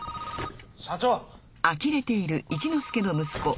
社長！？